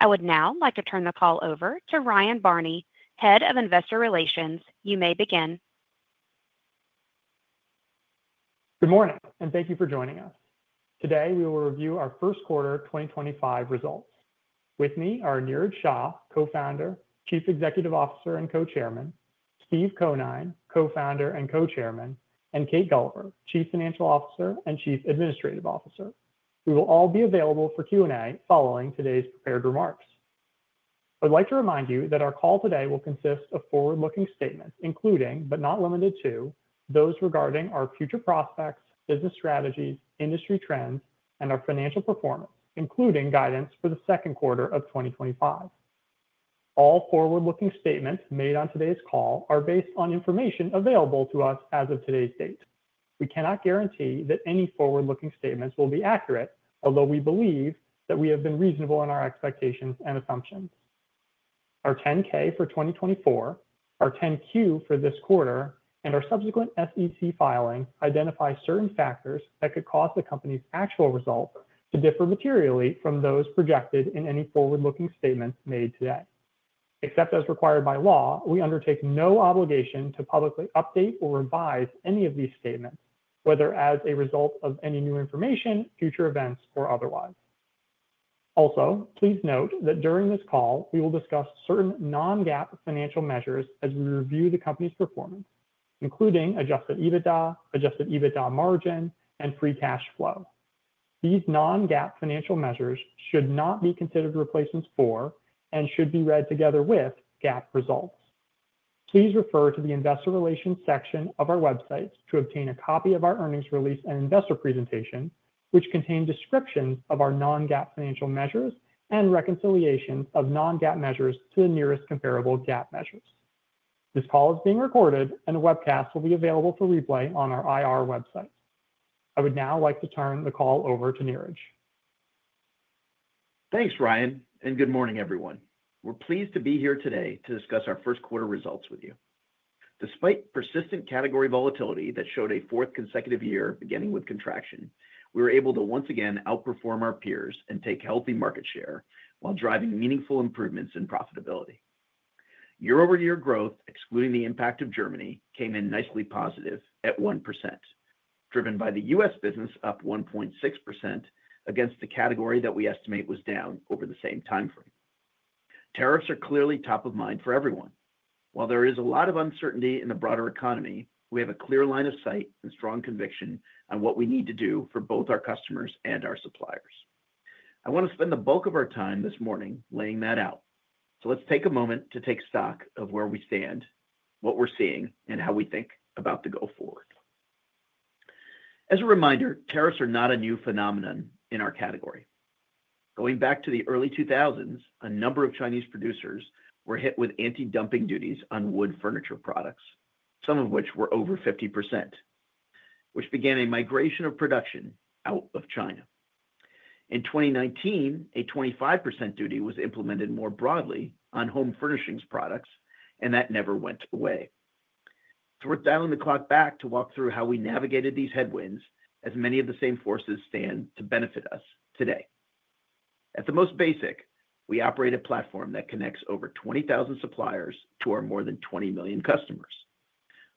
I would now like to turn the call over to Ryan Barney, Head of Investor Relations. You may begin. Good morning, and thank you for joining us. Today, we will review our first quarter 2025 results. With me are Niraj Shah, Co-Founder, Chief Executive Officer and Co-Chairman; Steve Conine, Co-Founder and Co-Chairman; and Kate Gulliver, Chief Financial Officer and Chief Administrative Officer. We will all be available for Q&A following today's prepared remarks. I would like to remind you that our call today will consist of forward-looking statements, including, but not limited to, those regarding our future prospects, business strategies, industry trends, and our financial performance, including guidance for the second quarter of 2025. All forward-looking statements made on today's call are based on information available to us as of today's date. We cannot guarantee that any forward-looking statements will be accurate, although we believe that we have been reasonable in our expectations and assumptions. Our 10-K for 2024, our 10-Q for this quarter, and our subsequent SEC filing identify certain factors that could cause the company's actual results to differ materially from those projected in any forward-looking statements made today. Except as required by law, we undertake no obligation to publicly update or revise any of these statements, whether as a result of any new information, future events, or otherwise. Also, please note that during this call, we will discuss certain non-GAAP financial measures as we review the company's performance, including adjusted EBITDA, adjusted EBITDA margin, and free cash flow. These non-GAAP financial measures should not be considered replacements for and should be read together with GAAP results. Please refer to the Investor Relations section of our website to obtain a copy of our earnings release and investor presentation, which contain descriptions of our non-GAAP financial measures and reconciliation of non-GAAP measures to the nearest comparable GAAP measures. This call is being recorded, and a webcast will be available for replay on our IR website. I would now like to turn the call over to Niraj. Thanks, Ryan, and good morning, everyone. We're pleased to be here today to discuss our first quarter results with you. Despite persistent category volatility that showed a fourth consecutive year beginning with contraction, we were able to once again outperform our peers and take healthy market share while driving meaningful improvements in profitability. Year-over-year growth, excluding the impact of Germany, came in nicely positive at 1%, driven by the U.S. business up 1.6% against the category that we estimate was down over the same timeframe. Tariffs are clearly top of mind for everyone. While there is a lot of uncertainty in the broader economy, we have a clear line of sight and strong conviction on what we need to do for both our customers and our suppliers. I want to spend the bulk of our time this morning laying that out, so let's take a moment to take stock of where we stand, what we're seeing, and how we think about the go forward. As a reminder, tariffs are not a new phenomenon in our category. Going back to the early 2000s, a number of Chinese producers were hit with anti-dumping duties on wood furniture products, some of which were over 50%, which began a migration of production out of China. In 2019, a 25% duty was implemented more broadly on home furnishings products, and that never went away. So we're dialing the clock back to walk through how we navigated these headwinds as many of the same forces stand to benefit us today. At the most basic, we operate a platform that connects over 20,000 suppliers to our more than 20 million customers.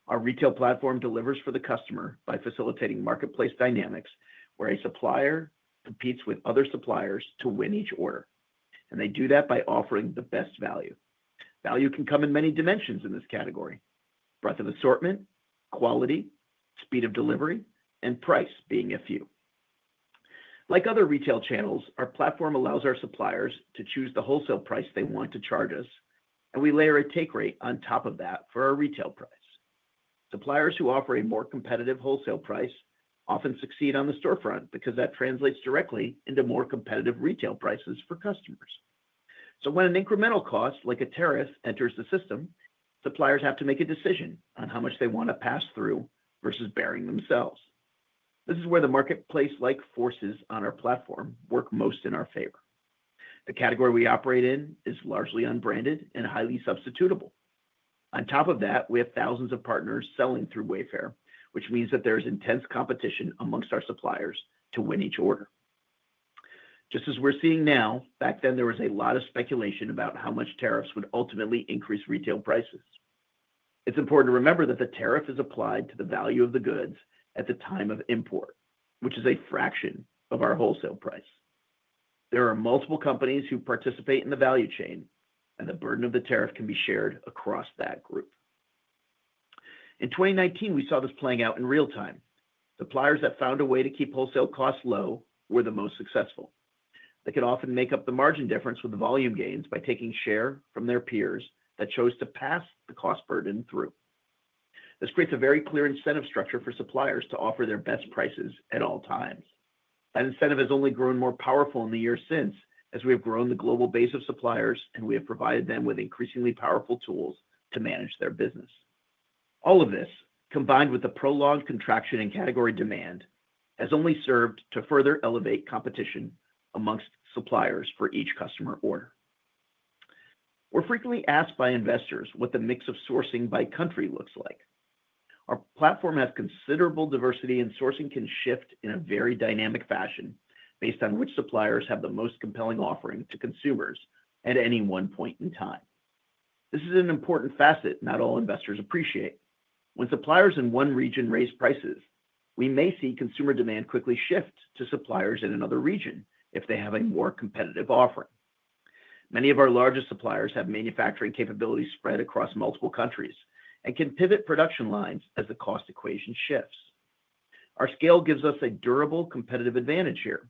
Our retail platform delivers for the customer by facilitating marketplace dynamics where a supplier competes with other suppliers to win each order, and they do that by offering the best value. Value can come in many dimensions in this category: breadth of assortment, quality, speed of delivery, and price being a few. Like other retail channels, our platform allows our suppliers to choose the wholesale price they want to charge us, and we layer a take rate on top of that for our retail price. Suppliers who offer a more competitive wholesale price often succeed on the storefront because that translates directly into more competitive retail prices for customers. When an incremental cost like a tariff enters the system, suppliers have to make a decision on how much they want to pass through versus bearing themselves. This is where the marketplace-like forces on our platform work most in our favor. The category we operate in is largely unbranded and highly substitutable. On top of that, we have thousands of partners selling through Wayfair, which means that there is intense competition amongst our suppliers to win each order. Just as we're seeing now, back then there was a lot of speculation about how much tariffs would ultimately increase retail prices. It's important to remember that the tariff is applied to the value of the goods at the time of import, which is a fraction of our wholesale price. There are multiple companies who participate in the value chain, and the burden of the tariff can be shared across that group. In 2019, we saw this playing out in real time. Suppliers that found a way to keep wholesale costs low were the most successful. They could often make up the margin difference with the volume gains by taking share from their peers that chose to pass the cost burden through. This creates a very clear incentive structure for suppliers to offer their best prices at all times. That incentive has only grown more powerful in the years since as we have grown the global base of suppliers and we have provided them with increasingly powerful tools to manage their business. All of this, combined with the prolonged contraction in category demand, has only served to further elevate competition amongst suppliers for each customer order. We're frequently asked by investors what the mix of sourcing by country looks like. Our platform has considerable diversity and sourcing can shift in a very dynamic fashion based on which suppliers have the most compelling offering to consumers at any one point in time. This is an important facet not all investors appreciate. When suppliers in one region raise prices, we may see consumer demand quickly shift to suppliers in another region if they have a more competitive offering. Many of our largest suppliers have manufacturing capabilities spread across multiple countries and can pivot production lines as the cost equation shifts. Our scale gives us a durable competitive advantage here.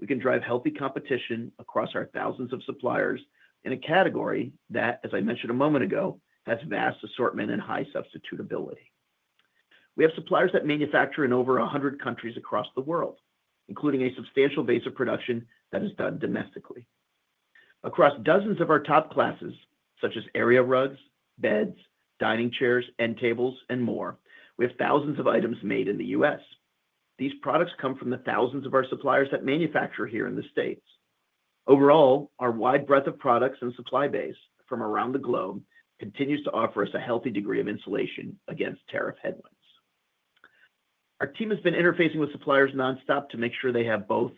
We can drive healthy competition across our thousands of suppliers in a category that, as I mentioned a moment ago, has vast assortment and high substitutability. We have suppliers that manufacture in over 100 countries across the world, including a substantial base of production that is done domestically. Across dozens of our top classes, such as area rugs, beds, dining chairs, end tables, and more, we have thousands of items made in the U.S. These products come from the thousands of our suppliers that manufacture here in the States. Overall, our wide breadth of products and supply base from around the globe continues to offer us a healthy degree of insulation against tariff headwinds. Our team has been interfacing with suppliers nonstop to make sure they have both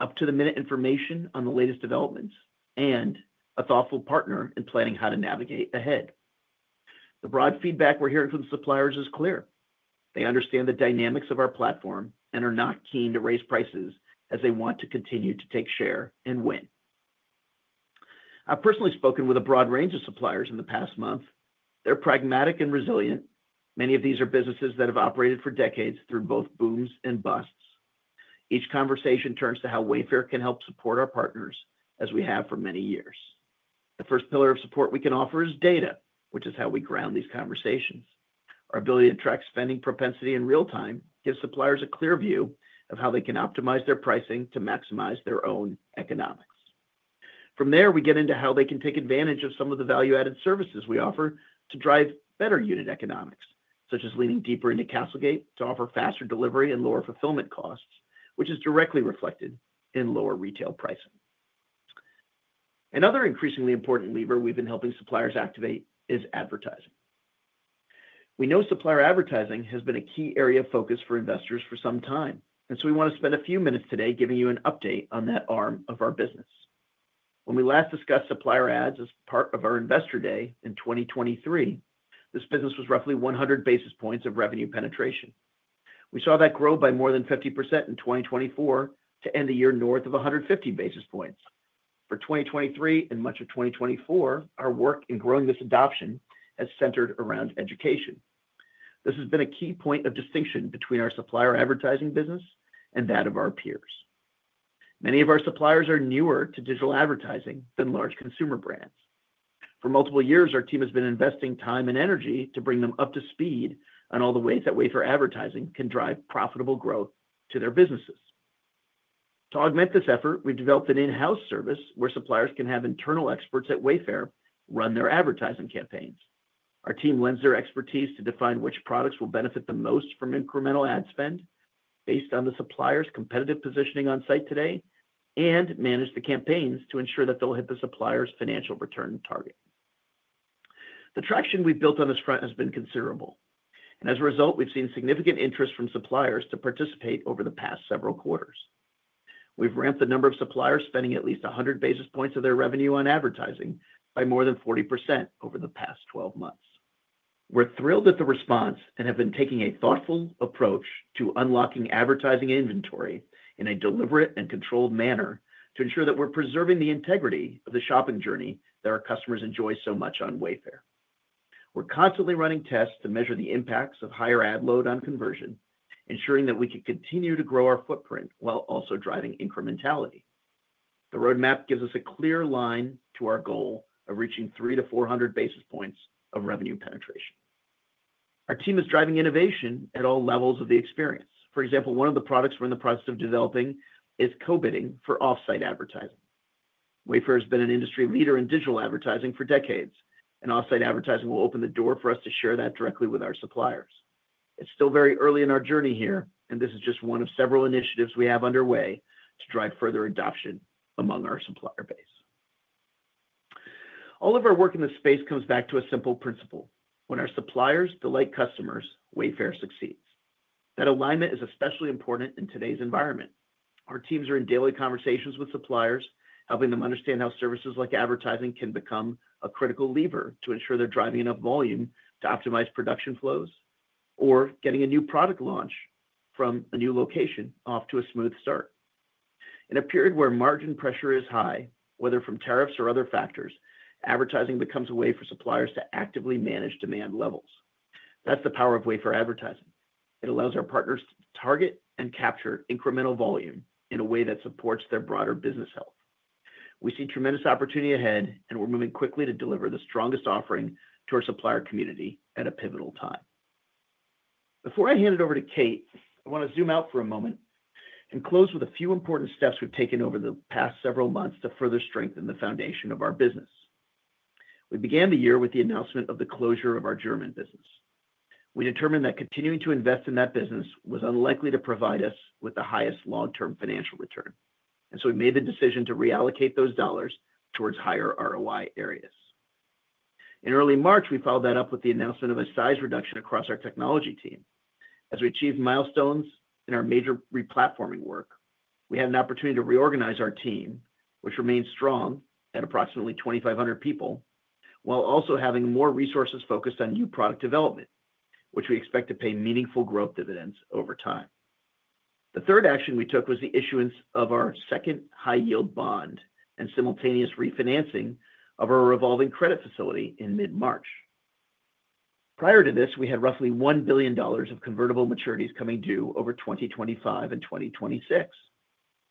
up-to-the-minute information on the latest developments and a thoughtful partner in planning how to navigate ahead. The broad feedback we're hearing from suppliers is clear. They understand the dynamics of our platform and are not keen to raise prices as they want to continue to take share and win. I've personally spoken with a broad range of suppliers in the past month. They're pragmatic and resilient. Many of these are businesses that have operated for decades through both booms and busts. Each conversation turns to how Wayfair can help support our partners as we have for many years. The first pillar of support we can offer is data, which is how we ground these conversations. Our ability to track spending propensity in real time gives suppliers a clear view of how they can optimize their pricing to maximize their own economics. From there, we get into how they can take advantage of some of the value-added services we offer to drive better unit economics, such as leaning deeper into CastleGate to offer faster delivery and lower fulfillment costs, which is directly reflected in lower retail pricing. Another increasingly important lever we have been helping suppliers activate is advertising. We know supplier advertising has been a key area of focus for investors for some time, and so we want to spend a few minutes today giving you an update on that arm of our business. When we last discussed supplier ads as part of our investor day in 2023, this business was roughly 100 basis points of revenue penetration. We saw that grow by more than 50% in 2024 to end the year north of 150 basis points. For 2023 and much of 2024, our work in growing this adoption has centered around education. This has been a key point of distinction between our supplier advertising business and that of our peers. Many of our suppliers are newer to digital advertising than large consumer brands. For multiple years, our team has been investing time and energy to bring them up to speed on all the ways that Wayfair advertising can drive profitable growth to their businesses. To augment this effort, we've developed an in-house service where suppliers can have internal experts at Wayfair run their advertising campaigns. Our team lends their expertise to define which products will benefit the most from incremental ad spend based on the supplier's competitive positioning on site today and manage the campaigns to ensure that they'll hit the supplier's financial return target. The traction we've built on this front has been considerable, and as a result, we've seen significant interest from suppliers to participate over the past several quarters. We've ramped the number of suppliers spending at least 100 basis points of their revenue on advertising by more than 40% over the past 12 months. We're thrilled with the response and have been taking a thoughtful approach to unlocking advertising inventory in a deliberate and controlled manner to ensure that we're preserving the integrity of the shopping journey that our customers enjoy so much on Wayfair. We're constantly running tests to measure the impacts of higher ad load on conversion, ensuring that we can continue to grow our footprint while also driving incrementality. The roadmap gives us a clear line to our goal of reaching 300-400 basis points of revenue penetration. Our team is driving innovation at all levels of the experience. For example, one of the products we're in the process of developing is co-bidding for offsite advertising. Wayfair has been an industry leader in digital advertising for decades, and offsite advertising will open the door for us to share that directly with our suppliers. It's still very early in our journey here, and this is just one of several initiatives we have underway to drive further adoption among our supplier base. All of our work in this space comes back to a simple principle: when our suppliers delight customers, Wayfair succeeds. That alignment is especially important in today's environment. Our teams are in daily conversations with suppliers, helping them understand how services like advertising can become a critical lever to ensure they're driving enough volume to optimize production flows or getting a new product launch from a new location off to a smooth start. In a period where margin pressure is high, whether from tariffs or other factors, advertising becomes a way for suppliers to actively manage demand levels. That's the power of Wayfair advertising. It allows our partners to target and capture incremental volume in a way that supports their broader business health. We see tremendous opportunity ahead, and we're moving quickly to deliver the strongest offering to our supplier community at a pivotal time. Before I hand it over to Kate, I want to zoom out for a moment and close with a few important steps we've taken over the past several months to further strengthen the foundation of our business. We began the year with the announcement of the closure of our German business. We determined that continuing to invest in that business was unlikely to provide us with the highest long-term financial return, and so we made the decision to reallocate those dollars towards higher ROI areas. In early March, we followed that up with the announcement of a size reduction across our technology team. As we achieved milestones in our major replatforming work, we had an opportunity to reorganize our team, which remained strong at approximately 2,500 people, while also having more resources focused on new product development, which we expect to pay meaningful growth dividends over time. The third action we took was the issuance of our second high-yield bond and simultaneous refinancing of our revolving credit facility in mid-March. Prior to this, we had roughly $1 billion of convertible maturities coming due over 2025 and 2026.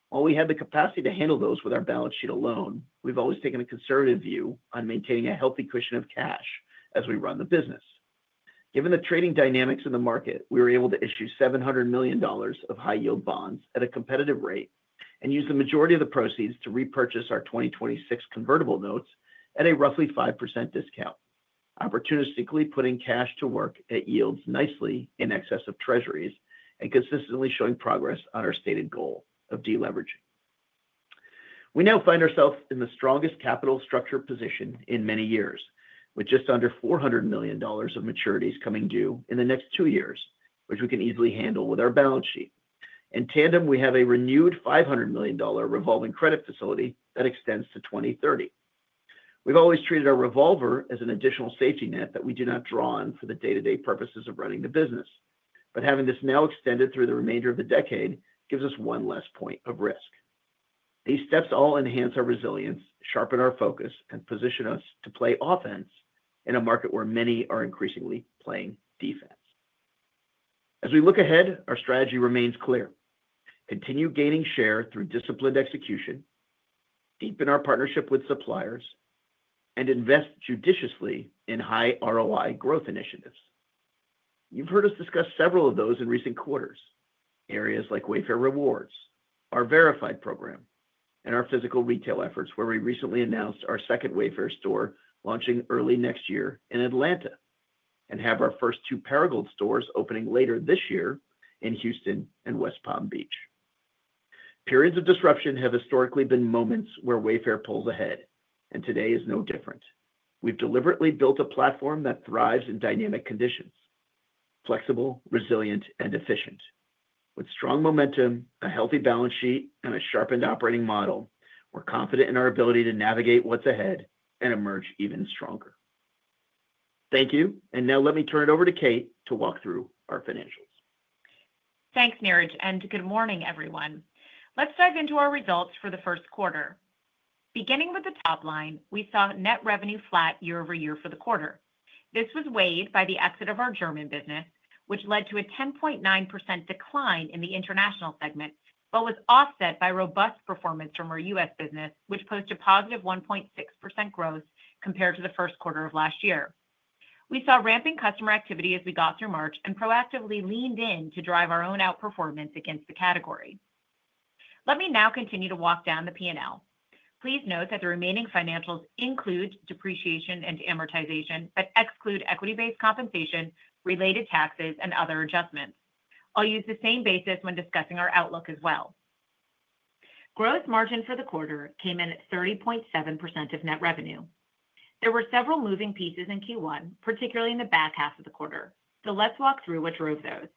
While we had the capacity to handle those with our balance sheet alone, we've always taken a conservative view on maintaining a healthy cushion of cash as we run the business. Given the trading dynamics in the market, we were able to issue $700 million of high-yield bonds at a competitive rate and use the majority of the proceeds to repurchase our 2026 convertible notes at a roughly 5% discount, opportunistically putting cash to work at yields nicely in excess of treasuries and consistently showing progress on our stated goal of deleveraging. We now find ourselves in the strongest capital structure position in many years, with just under $400 million of maturities coming due in the next two years, which we can easily handle with our balance sheet. In tandem, we have a renewed $500 million revolving credit facility that extends to 2030. We've always treated our revolver as an additional safety net that we do not draw on for the day-to-day purposes of running the business, but having this now extended through the remainder of the decade gives us one less point of risk. These steps all enhance our resilience, sharpen our focus, and position us to play offense in a market where many are increasingly playing defense. As we look ahead, our strategy remains clear: continue gaining share through disciplined execution, deepen our partnership with suppliers, and invest judiciously in high ROI growth initiatives. You've heard us discuss several of those in recent quarters: areas like Wayfair Rewards, our Verified program, and our physical retail efforts, where we recently announced our second Wayfair store launching early next year in Atlanta and have our first two Perigold stores opening later this year in Houston and West Palm Beach. Periods of disruption have historically been moments where Wayfair pulls ahead, and today is no different. We have deliberately built a platform that thrives in dynamic conditions: flexible, resilient, and efficient. With strong momentum, a healthy balance sheet, and a sharpened operating model, we are confident in our ability to navigate what is ahead and emerge even stronger. Thank you, and now let me turn it over to Kate to walk through our financials. Thanks, Niraj, and good morning, everyone. Let's dive into our results for the first quarter. Beginning with the top line, we saw net revenue flat year-over-year for the quarter. This was weighed by the exit of our German business, which led to a 10.9% decline in the international segment, but was offset by robust performance from our U.S. business, which posted +1.6% growth compared to the first quarter of last year. We saw ramping customer activity as we got through March and proactively leaned in to drive our own outperformance against the category. Let me now continue to walk down the P&L. Please note that the remaining financials include depreciation and amortization but exclude equity-based compensation, related taxes, and other adjustments. I'll use the same basis when discussing our outlook as well. Gross margin for the quarter came in at 30.7% of net revenue. There were several moving pieces in Q1, particularly in the back half of the quarter, so let's walk through which drove those.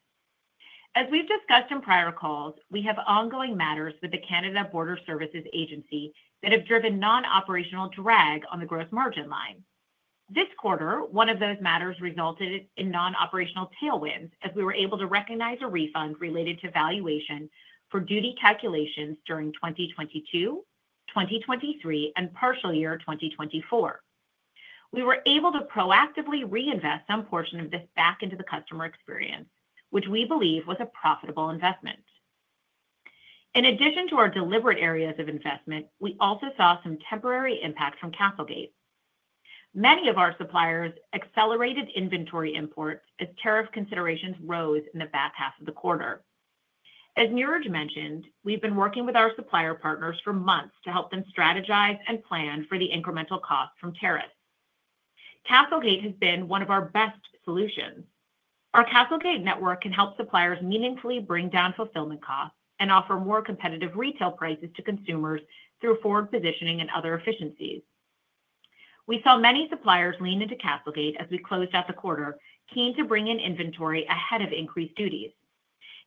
As we've discussed in prior calls, we have ongoing matters with the Canada Border Services Agency that have driven non-operational drag on the gross margin line. This quarter, one of those matters resulted in non-operational tailwinds as we were able to recognize a refund related to valuation for duty calculations during 2022, 2023, and partial year 2024. We were able to proactively reinvest some portion of this back into the customer experience, which we believe was a profitable investment. In addition to our deliberate areas of investment, we also saw some temporary impact from CastleGate. Many of our suppliers accelerated inventory imports as tariff considerations rose in the back half of the quarter. As Niraj mentioned, we've been working with our supplier partners for months to help them strategize and plan for the incremental costs from tariffs. CastleGate has been one of our best solutions. Our CastleGate network can help suppliers meaningfully bring down fulfillment costs and offer more competitive retail prices to consumers through forward positioning and other efficiencies. We saw many suppliers lean into CastleGate as we closed out the quarter, keen to bring in inventory ahead of increased duties.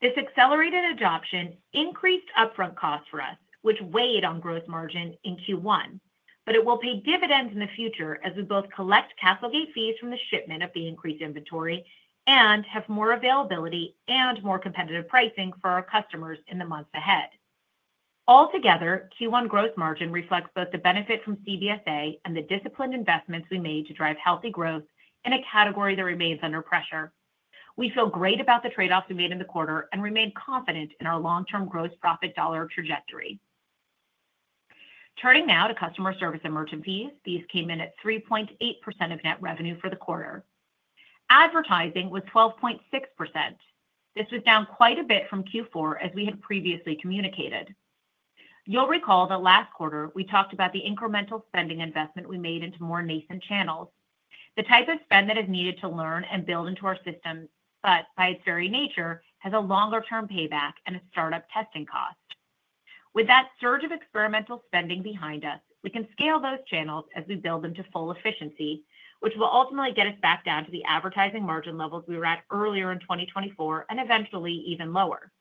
This accelerated adoption increased upfront costs for us, which weighed on gross margin in Q1, but it will pay dividends in the future as we both collect CastleGate fees from the shipment of the increased inventory and have more availability and more competitive pricing for our customers in the months ahead. Altogether, Q1 gross margin reflects both the benefit from CBSA and the disciplined investments we made to drive healthy growth in a category that remains under pressure. We feel great about the trade-offs we made in the quarter and remain confident in our long-term gross profit dollar trajectory. Turning now to customer service emergencies, these came in at 3.8% of net revenue for the quarter. Advertising was 12.6%. This was down quite a bit from Q4, as we had previously communicated. You'll recall that last quarter, we talked about the incremental spending investment we made into more nascent channels, the type of spend that is needed to learn and build into our systems, but by its very nature, has a longer-term payback and a startup testing cost. With that surge of experimental spending behind us, we can scale those channels as we build them to full efficiency, which will ultimately get us back down to the advertising margin levels we were at earlier in 2024 and eventually even lower.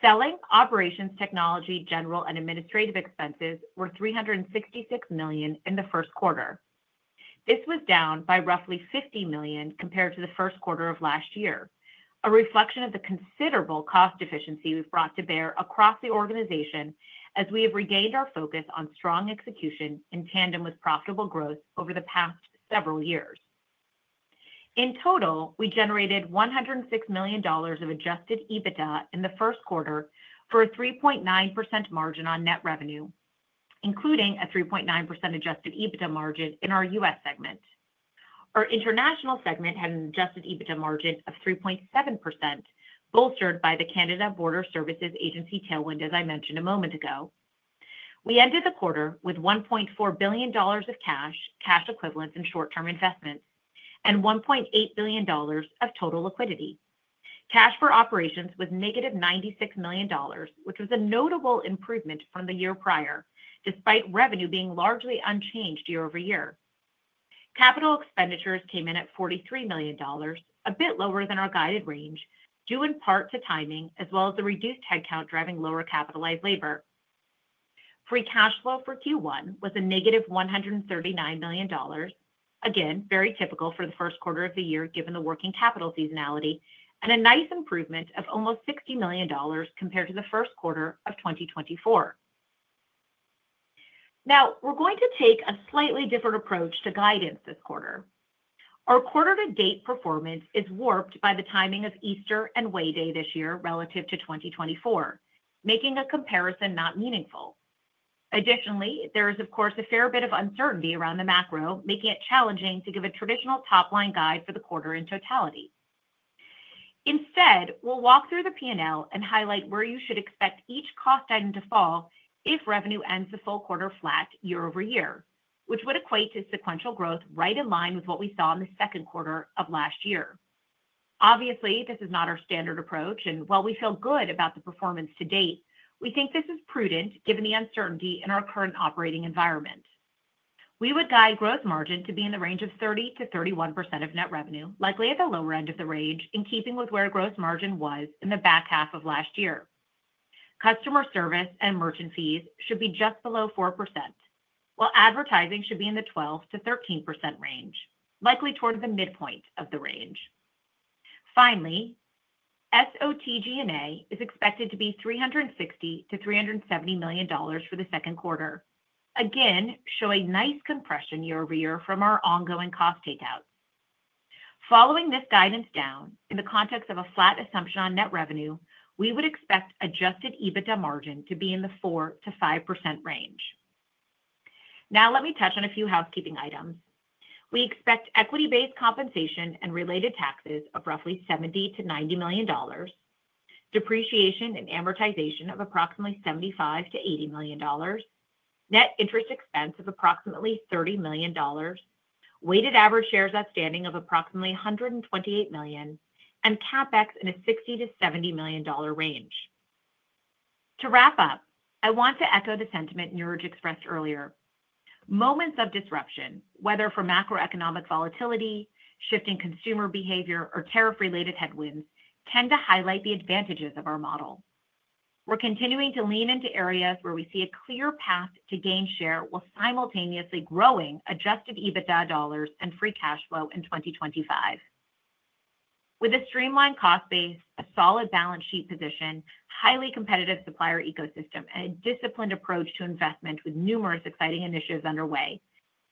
Selling, operations, technology, general, and administrative expenses were $366 million in the first quarter. This was down by roughly $50 million compared to the first quarter of last year, a reflection of the considerable cost efficiency we've brought to bear across the organization as we have regained our focus on strong execution in tandem with profitable growth over the past several years. In total, we generated $106 million of adjusted EBITDA in the first quarter for a 3.9% margin on net revenue, including a 3.9% adjusted EBITDA margin in our U.S. segment. Our international segment had an adjusted EBITDA margin of 3.7%, bolstered by the Canada Border Services Agency tailwind, as I mentioned a moment ago. We ended the quarter with $1.4 billion of cash, cash equivalents and short-term investments, and $1.8 billion of total liquidity. Cash for operations was -$96 million, which was a notable improvement from the year prior, despite revenue being largely unchanged year-over-year. Capital expenditures came in at $43 million, a bit lower than our guided range, due in part to timing, as well as the reduced headcount driving lower capitalized labor. Free cash flow for Q1 was a -$139 million, again, very typical for the first quarter of the year given the working capital seasonality, and a nice improvement of almost $60 million compared to the first quarter of 2024. Now, we're going to take a slightly different approach to guidance this quarter. Our quarter-to-date performance is warped by the timing of Easter and Way Day this year relative to 2024, making a comparison not meaningful. Additionally, there is, of course, a fair bit of uncertainty around the macro, making it challenging to give a traditional top-line guide for the quarter in totality. Instead, we'll walk through the P&L and highlight where you should expect each cost item to fall if revenue ends the full quarter flat year-over-year, which would equate to sequential growth right in line with what we saw in the second quarter of last year. Obviously, this is not our standard approach, and while we feel good about the performance to date, we think this is prudent given the uncertainty in our current operating environment. We would guide gross margin to be in the range of 30%-31% of net revenue, likely at the lower end of the range in keeping with where gross margin was in the back half of last year. Customer service and merchant fees should be just below 4%, while advertising should be in the 12%-13% range, likely toward the midpoint of the range. Finally, SOT G&A is expected to be $360 million-$370 million for the second quarter, again, showing nice compression year-over-year from our ongoing cost takeouts. Following this guidance down, in the context of a flat assumption on net revenue, we would expect adjusted EBITDA margin to be in the 4%-5% range. Now, let me touch on a few housekeeping items. We expect equity-based compensation and related taxes of roughly $70 million-$90 million, depreciation and amortization of approximately $75 million-$80 million, net interest expense of approximately $30 million, weighted average shares outstanding of approximately $128 million, and CapEx in a $60 million-$70 million range. To wrap up, I want to echo the sentiment Niraj expressed earlier. Moments of disruption, whether for macroeconomic volatility, shifting consumer behavior, or tariff-related headwinds, tend to highlight the advantages of our model. We're continuing to lean into areas where we see a clear path to gain share while simultaneously growing adjusted EBITDA dollars and free cash flow in 2025. With a streamlined cost base, a solid balance sheet position, a highly competitive supplier ecosystem, and a disciplined approach to investment with numerous exciting initiatives underway,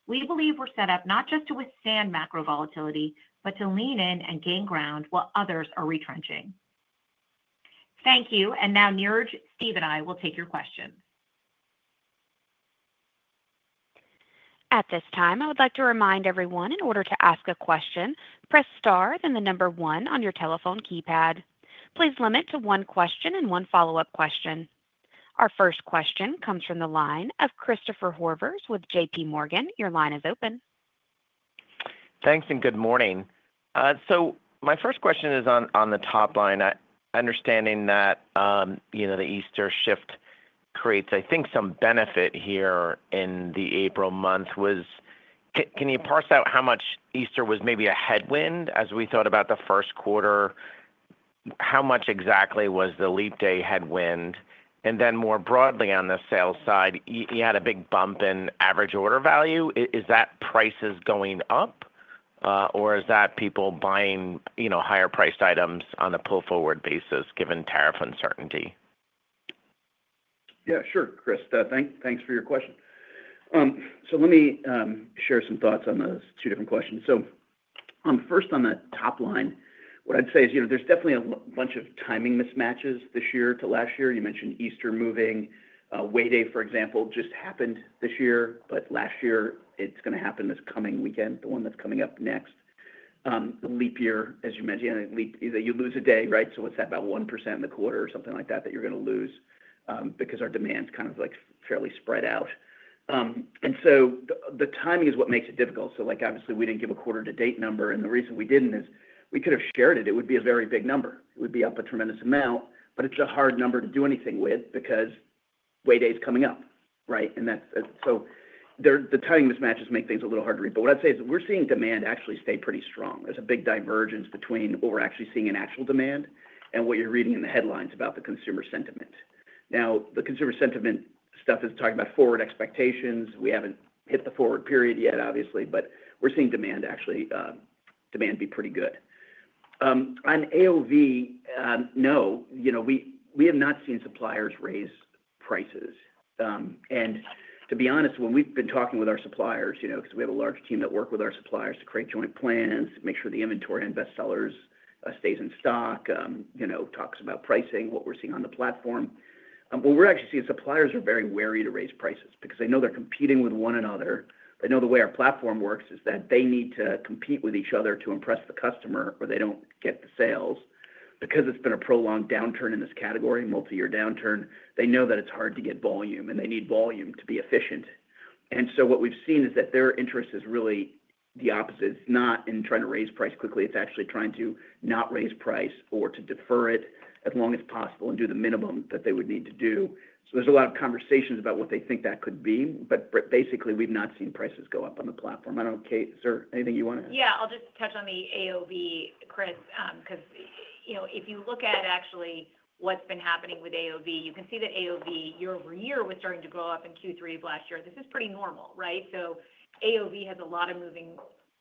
we believe we're set up not just to withstand macro volatility, but to lean in and gain ground while others are retrenching. Thank you, and now Niraj, Steve, and I will take your questions. At this time, I would like to remind everyone, in order to ask a question, press star then the number one on your telephone keypad. Please limit to one question and one follow-up question. Our first question comes from the line of Christopher Horvers with J.P. Morgan. Your line is open. Thanks and good morning. My first question is on the top line. Understanding that the Easter shift creates, I think, some benefit here in the April month, can you parse out how much Easter was maybe a headwind as we thought about the first quarter? How much exactly was the leap day headwind? More broadly on the sales side, you had a big bump in average order value. Is that prices going up, or is that people buying higher-priced items on a pull-forward basis given tariff uncertainty? Yeah, sure, Chris. Thanks for your question. Let me share some thoughts on those two different questions. First, on the top line, what I'd say is there's definitely a bunch of timing mismatches this year to last year. You mentioned Easter moving. Way Day, for example, just happened this year, but last year, it's going to happen this coming weekend, the one that's coming up next. The leap year, as you mentioned, you lose a day, right? So it's about 1% in the quarter or something like that that you're going to lose because our demand's kind of fairly spread out. The timing is what makes it difficult. Obviously, we didn't give a quarter-to-date number, and the reason we didn't is we could have shared it. It would be a very big number. It would be up a tremendous amount, but it's a hard number to do anything with because Way Day is coming up, right? The timing mismatches make things a little hard to read. What I'd say is we're seeing demand actually stay pretty strong. There's a big divergence between what we're actually seeing in actual demand and what you're reading in the headlines about the consumer sentiment. Now, the consumer sentiment stuff is talking about forward expectations. We haven't hit the forward period yet, obviously, but we're seeing demand actually be pretty good. On AOV, no. We have not seen suppliers raise prices. To be honest, when we've been talking with our suppliers, because we have a large team that works with our suppliers to create joint plans, make sure the inventory and bestsellers stays in stock, talks about pricing, what we're seeing on the platform, what we're actually seeing is suppliers are very wary to raise prices because they know they're competing with one another. They know the way our platform works is that they need to compete with each other to impress the customer, or they don't get the sales. Because it's been a prolonged downturn in this category, multi-year downturn, they know that it's hard to get volume, and they need volume to be efficient. What we've seen is that their interest is really the opposite. It's not in trying to raise price quickly. It's actually trying to not raise price or to defer it as long as possible and do the minimum that they would need to do. There's a lot of conversations about what they think that could be, but basically, we've not seen prices go up on the platform. I don't know, Kate, is there anything you want to add? Yeah, I'll just touch on the AOV, Chris, because if you look at actually what's been happening with AOV, you can see that AOV year-over-year was starting to go up in Q3 of last year. This is pretty normal, right? AOV has a lot of moving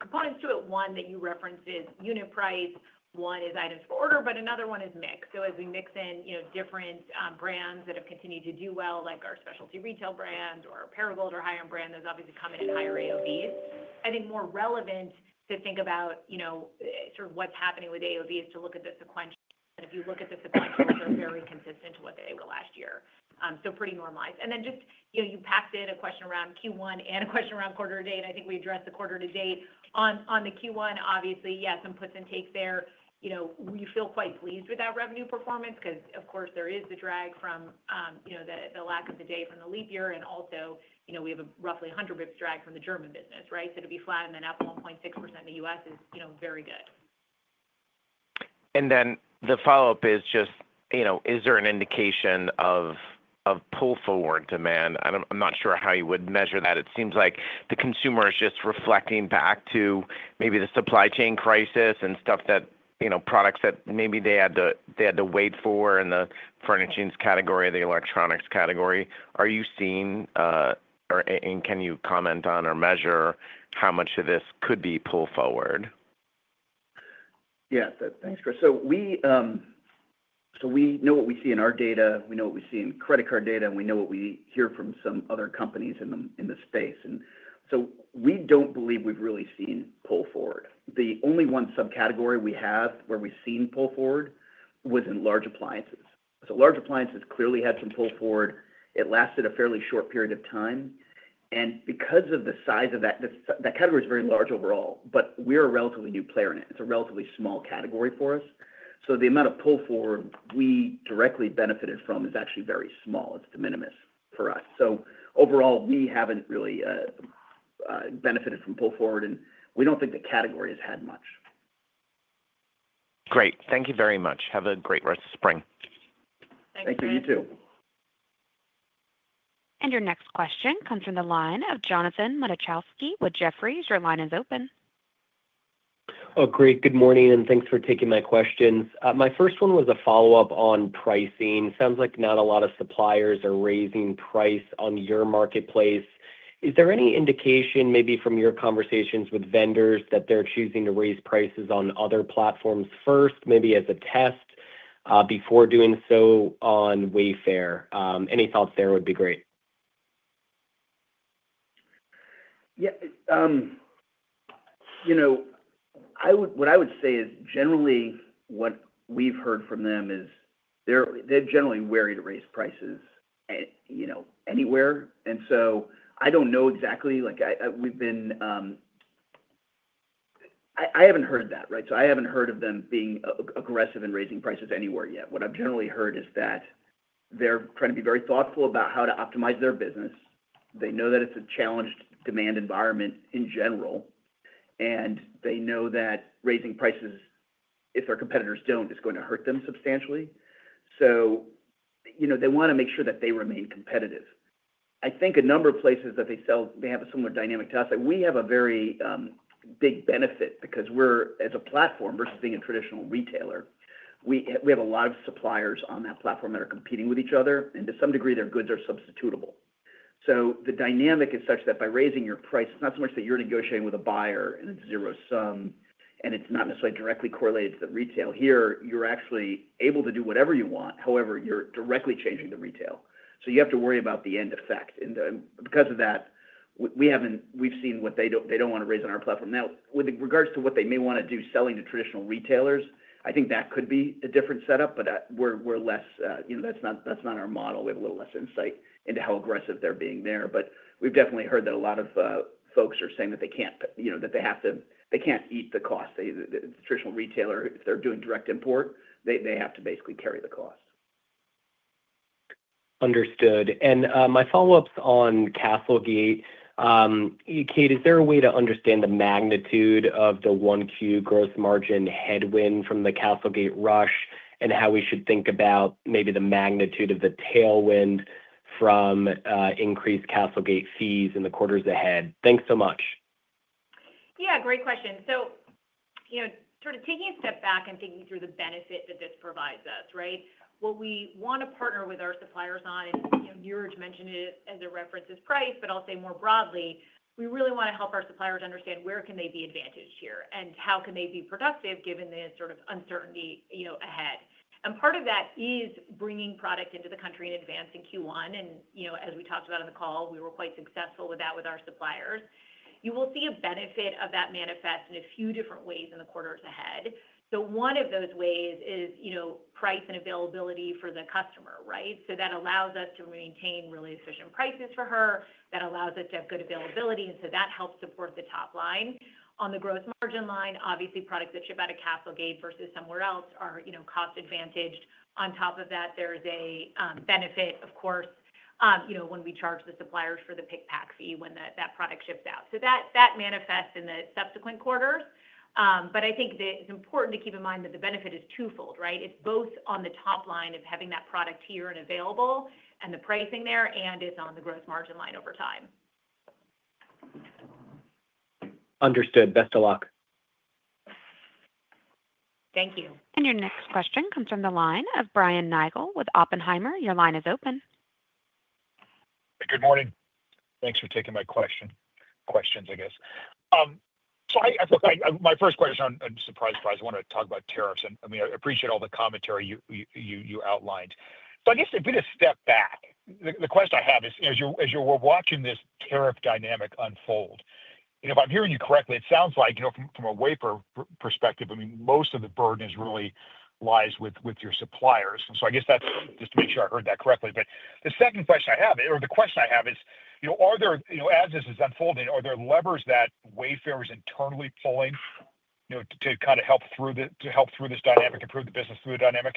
components to it. One that you referenced is unit price. One is items per order, but another one is mix. As we mix in different brands that have continued to do well, like our specialty retail brand or our Perigold or Higher Brand, those obviously come in at higher AOVs. I think more relevant to think about sort of what's happening with AOV is to look at the sequential. If you look at the sequential, they're very consistent to what they were last year. Pretty normalized. You packed in a question around Q1 and a question around quarter-to-date, and I think we addressed the quarter-to-date. On the Q1, obviously, yes, some puts and takes there. We feel quite pleased with that revenue performance because, of course, there is the drag from the lack of the day from the leap year, and also we have a roughly 100 basis points drag from the German business, right? To be flat on the net 1.6% in the U.S. is very good. The follow-up is just, is there an indication of pull-forward demand? I'm not sure how you would measure that. It seems like the consumer is just reflecting back to maybe the supply chain crisis and stuff that products that maybe they had to wait for in the furnishings category, the electronics category. Are you seeing, and can you comment on or measure how much of this could be pull-forward? Yeah, thanks, Chris. We know what we see in our data. We know what we see in credit card data, and we know what we hear from some other companies in the space. We do not believe we have really seen pull-forward. The only one subcategory we have where we have seen pull-forward was in large appliances. Large appliances clearly had some pull-forward. It lasted a fairly short period of time. Because of the size of that, that category is very large overall, but we are a relatively new player in it. It is a relatively small category for us. The amount of pull-forward we directly benefited from is actually very small. It is de minimis for us. Overall, we have not really benefited from pull-forward, and we do not think the category has had much. Great. Thank you very much. Have a great rest of spring. Thank you. Thank you. You too. Your next question comes from the line of Jonathan Matuszewski with Jefferies. Your line is open. Oh, great. Good morning, and thanks for taking my questions. My first one was a follow-up on pricing. Sounds like not a lot of suppliers are raising price on your marketplace. Is there any indication maybe from your conversations with vendors that they're choosing to raise prices on other platforms first, maybe as a test before doing so on Wayfair? Any thoughts there would be great. Yeah. What I would say is generally what we've heard from them is they're generally wary to raise prices anywhere. I don't know exactly. I haven't heard that, right? I haven't heard of them being aggressive in raising prices anywhere yet. What I've generally heard is that they're trying to be very thoughtful about how to optimize their business. They know that it's a challenged demand environment in general, and they know that raising prices, if their competitors don't, is going to hurt them substantially. They want to make sure that they remain competitive. I think a number of places that they sell, they have a similar dynamic to us. We have a very big benefit because we're, as a platform versus being a traditional retailer, we have a lot of suppliers on that platform that are competing with each other, and to some degree, their goods are substitutable. The dynamic is such that by raising your price, it's not so much that you're negotiating with a buyer and it's zero sum, and it's not necessarily directly correlated to the retail here. You're actually able to do whatever you want. However, you're directly changing the retail. You have to worry about the end effect. Because of that, we've seen what they don't want to raise on our platform. Now, with regards to what they may want to do selling to traditional retailers, I think that could be a different setup, but that's not our model. We have a little less insight into how aggressive they're being there. We've definitely heard that a lot of folks are saying that they have to eat the cost. The traditional retailer, if they're doing direct import, they have to basically carry the cost. Understood. My follow-ups on CastleGate. Kate, is there a way to understand the magnitude of the 1Q gross margin headwind from the CastleGate rush and how we should think about maybe the magnitude of the tailwind from increased CastleGate fees in the quarters ahead? Thanks so much. Yeah, great question. Taking a step back and thinking through the benefit that this provides us, right? What we want to partner with our suppliers on, and Niraj mentioned it as a reference, is price, but I'll say more broadly, we really want to help our suppliers understand where can they be advantaged here and how can they be productive given the sort of uncertainty ahead. Part of that is bringing product into the country in advance in Q1. As we talked about on the call, we were quite successful with that with our suppliers. You will see a benefit of that manifest in a few different ways in the quarters ahead. One of those ways is price and availability for the customer, right? That allows us to maintain really efficient prices for her. That allows us to have good availability, and so that helps support the top line. On the gross margin line, obviously, products that ship out of CastleGate versus somewhere else are cost-advantaged. On top of that, there's a benefit, of course, when we charge the suppliers for the pick-pack fee when that product ships out. That manifests in the subsequent quarters. I think it's important to keep in mind that the benefit is twofold, right? It's both on the top line of having that product here and available and the pricing there, and it's on the gross margin line over time. Understood. Best of luck. Thank you. Your next question comes from the line of Brian Nagel with Oppenheimer. Your line is open. Hey, good morning. Thanks for taking my questions, I guess. My first question, surprise, surprise, I want to talk about tariffs. I mean, I appreciate all the commentary you outlined. To be a step back, the question I have is, as you were watching this tariff dynamic unfold, if I'm hearing you correctly, it sounds like from a Wayfair perspective, I mean, most of the burden really lies with your suppliers. I guess that's just to make sure I heard that correctly. The second question I have, or the question I have is, as this is unfolding, are there levers that Wayfair is internally pulling to kind of help through this dynamic, to improve the business through the dynamic?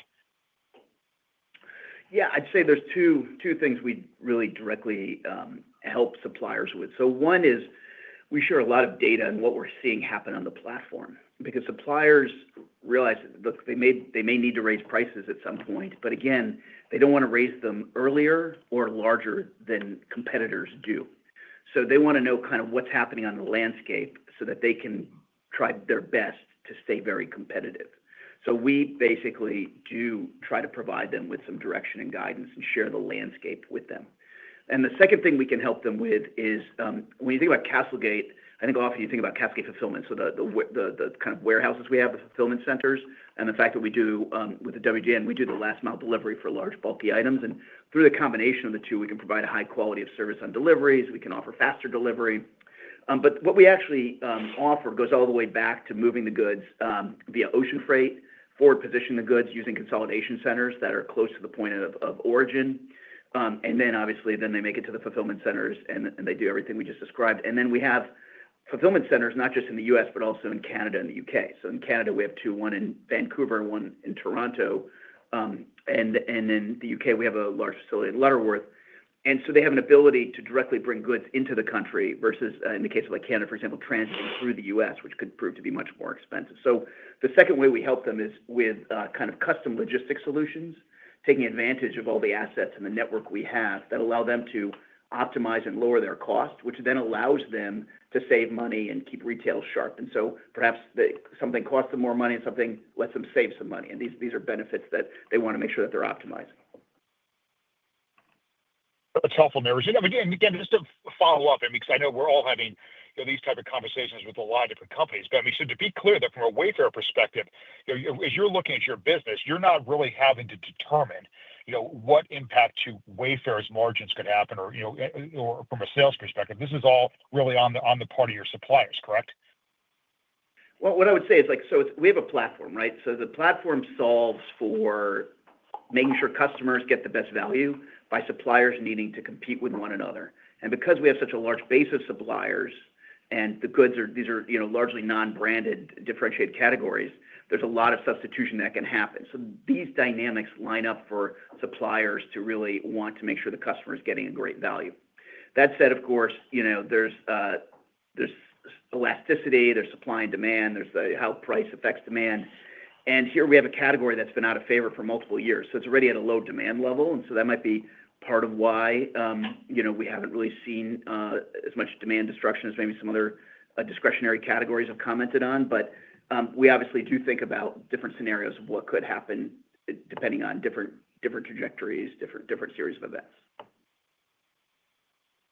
Yeah, I'd say there's two things we really directly help suppliers with. One is we share a lot of data and what we're seeing happen on the platform because suppliers realize they may need to raise prices at some point, but again, they don't want to raise them earlier or larger than competitors do. They want to know kind of what's happening on the landscape so that they can try their best to stay very competitive. We basically do try to provide them with some direction and guidance and share the landscape with them. The second thing we can help them with is when you think about CastleGate, I think often you think about CastleGate fulfillment, so the kind of warehouses we have, the fulfillment centers, and the fact that we do with the WGN, we do the last-mile delivery for large bulky items. Through the combination of the two, we can provide a high quality ofservice on deliveries. We can offer faster delivery. What we actually offer goes all the way back to moving the goods via ocean freight, forward positioning the goods using consolidation centers that are close to the point of origin. Obviously, then they make it to the fulfillment centers, and they do everything we just described. We have fulfillment centers not just in the U.S., but also in Canada and the U.K. In Canada, we have two, one in Vancouver and one in Toronto. In the U.K., we have a large facility in Letchworth. They have an ability to directly bring goods into the country versus, in the case of Canada, for example, transiting through the U.S., which could prove to be much more expensive. The second way we help them is with kind of custom logistics solutions, taking advantage of all the assets and the network we have that allow them to optimize and lower their cost, which then allows them to save money and keep retail sharp. Perhaps something costs them more money and something lets them save some money. These are benefits that they want to make sure that they're optimizing. That's helpful, Niraj. Again, just to follow up, because I know we're all having these types of conversations with a lot of different companies, but I mean, to be clear, from a Wayfair perspective, as you're looking at your business, you're not really having to determine what impact to Wayfair's margins could happen or from a sales perspective. This is all really on the part of your suppliers, correct? What I would say is, we have a platform, right? The platform solves for making sure customers get the best value by suppliers needing to compete with one another. Because we have such a large base of suppliers and the goods are these are largely non-branded, differentiated categories, there is a lot of substitution that can happen. These dynamics line up for suppliers to really want to make sure the customer is getting a great value. That said, of course, there is elasticity, there is supply and demand, there is how price affects demand. Here we have a category that has been out of favor for multiple years. It is already at a low demand level. That might be part of why we have not really seen as much demand destruction as maybe some other discretionary categories have commented on. We obviously do think about different scenarios of what could happen depending on different trajectories, different series of events.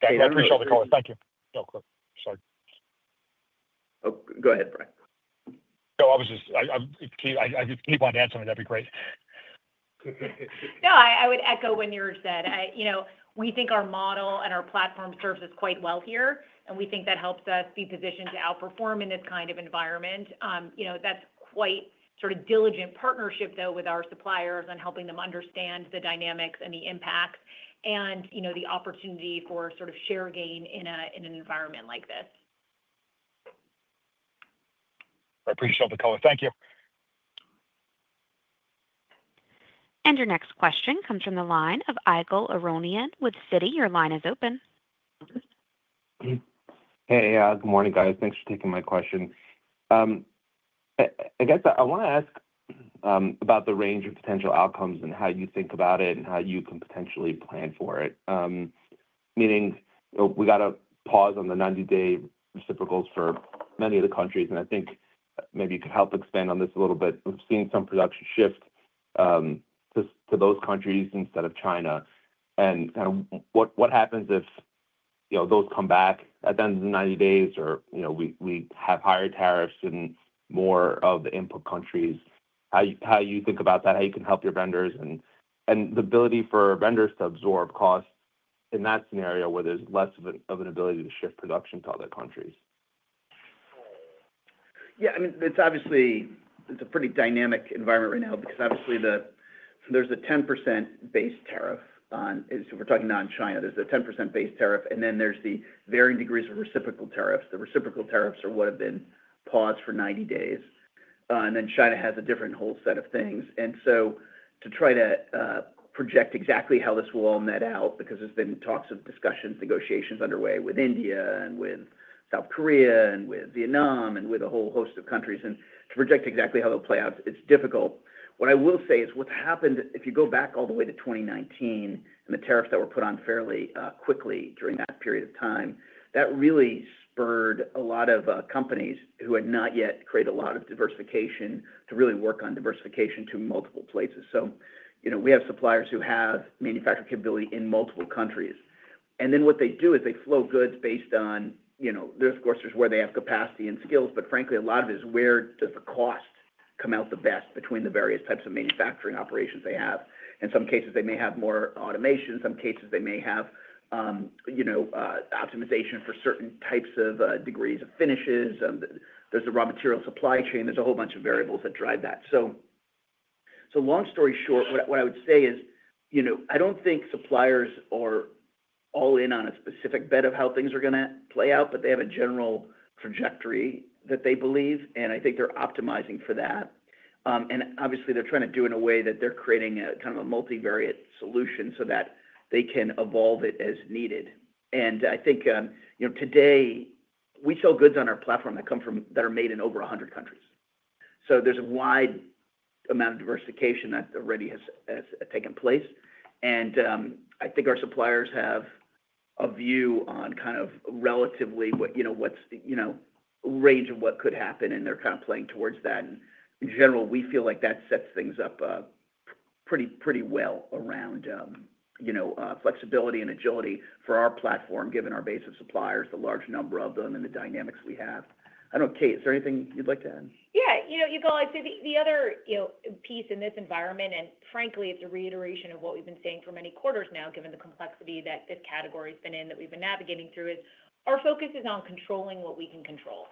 Thank you. I appreciate all the comments. Thank you. No, of course. Sorry. Oh, go ahead, Brian. No, I was just, I just keep on answering. That'd be great. No, I would echo what Niraj said. We think our model and our platform serves us quite well here, and we think that helps us be positioned to outperform in this kind of environment. That is quite sort of diligent partnership, though, with our suppliers and helping them understand the dynamics and the impact and the opportunity for sort of share gain in an environment like this. I appreciate all the comments. Thank you. Your next question comes from the line of Ygal Arounian with Citi. Your line is open. Hey, good morning, guys. Thanks for taking my question. I guess I want to ask about the range of potential outcomes and how you think about it and how you can potentially plan for it. Meaning, we got to pause on the 90-day reciprocals for many of the countries, and I think maybe you could help expand on this a little bit. We've seen some production shift to those countries instead of China. Kind of what happens if those come back at the end of the 90 days or we have higher tariffs and more of the input countries? How do you think about that? How you can help your vendors and the ability for vendors to absorb costs in that scenario where there's less of an ability to shift production to other countries? Yeah. I mean, it's obviously a pretty dynamic environment right now because obviously there's a 10% base tariff. We're talking non-China. There's a 10% base tariff, and then there's the varying degrees of reciprocal tariffs. The reciprocal tariffs are what have been paused for 90 days. China has a different whole set of things. To try to project exactly how this will all net out, because there's been talks of discussions, negotiations underway with India and with South Korea and with Vietnam and with a whole host of countries, and to project exactly how it'll play out, it's difficult. What I will say is what's happened, if you go back all the way to 2019 and the tariffs that were put on fairly quickly during that period of time, that really spurred a lot of companies who had not yet created a lot of diversification to really work on diversification to multiple places. We have suppliers who have manufacturing capability in multiple countries. What they do is they flow goods based on, of course, there's where they have capacity and skills, but frankly, a lot of it is where does the cost come out the best between the various types of manufacturing operations they have. In some cases, they may have more automation. In some cases, they may have optimization for certain types of degrees of finishes. There's the raw material supply chain. There's a whole bunch of variables that drive that. Long story short, what I would say is I don't think suppliers are all in on a specific bet of how things are going to play out, but they have a general trajectory that they believe, and I think they're optimizing for that. Obviously, they're trying to do it in a way that they're creating kind of a multivariate solution so that they can evolve it as needed. I think today, we sell goods on our platform that are made in over 100 countries. There is a wide amount of diversification that already has taken place. I think our suppliers have a view on kind of relatively what's the range of what could happen, and they're kind of playing towards that. In general, we feel like that sets things up pretty well around flexibility and agility for our platform, given our base of suppliers, the large number of them, and the dynamics we have. I don't know, Kate, is there anything you'd like to add? Yeah. You go. I'd say the other piece in this environment, and frankly, it's a reiteration of what we've been saying for many quarters now, given the complexity that this category has been in that we've been navigating through, is our focus is on controlling what we can control.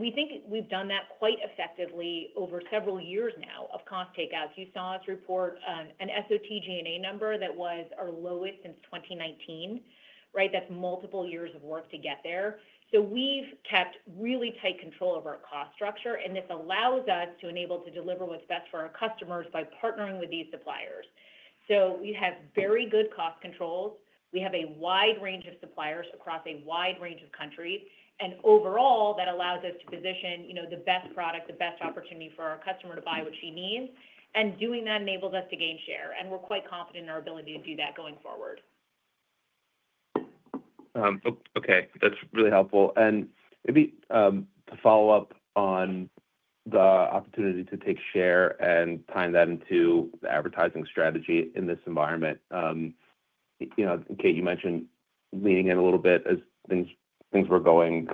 We think we've done that quite effectively over several years now of cost takeouts. You saw us report an SOT G&A number that was our lowest since 2019, right? That's multiple years of work to get there. We've kept really tight control of our cost structure, and this allows us to enable to deliver what's best for our customers by partnering with these suppliers. We have very good cost controls. We have a wide range of suppliers across a wide range of countries. Overall, that allows us to position the best product, the best opportunity for our customer to buy what she needs. Doing that enables us to gain share. We are quite confident in our ability to do that going forward. Okay. That is really helpful. Maybe to follow up on the opportunity to take share and tie that into the advertising strategy in this environment, Kate, you mentioned leading in a little bit as things were going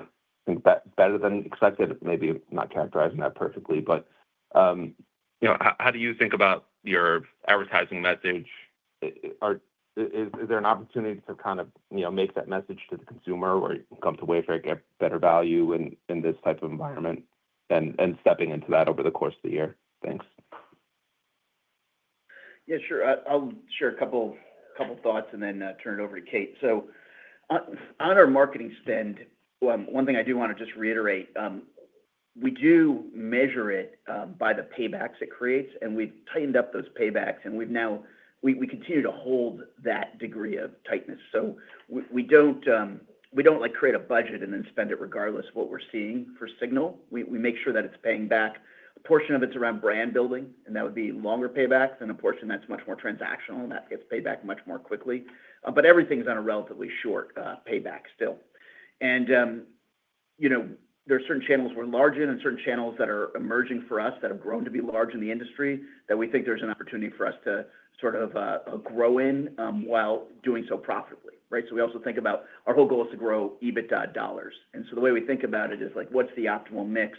better than expected, maybe not characterizing that perfectly, but how do you think about your advertising message? Is there an opportunity to kind of make that message to the consumer where you can come to Wayfair and get better value in this type of environment and stepping into that over the course of the year? Thanks. Yeah, sure. I will share a couple of thoughts and then turn it over to Kate. On our marketing spend, one thing I do want to just reiterate, we do measure it by the paybacks it creates, and we've tightened up those paybacks, and we continue to hold that degree of tightness. We don't create a budget and then spend it regardless of what we're seeing for signal. We make sure that it's paying back. A portion of it's around brand building, and that would be longer payback than a portion that's much more transactional, and that gets paid back much more quickly. Everything's on a relatively short payback still. There are certain channels we're large in and certain channels that are emerging for us that have grown to be large in the industry that we think there's an opportunity for us to sort of grow in while doing so profitably, right? We also think about our whole goal is to grow EBITDA dollars. The way we think about it is what's the optimal mix